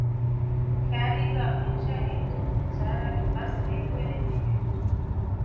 ކައިރީގައި އިޝާންގެ އިތުރުން ޒާރާގެ ފަސް އެކުވެރިން ތިވި